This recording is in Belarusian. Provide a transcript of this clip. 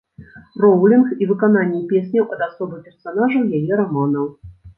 Роўлінг і выкананне песняў ад асобы персанажаў яе раманаў.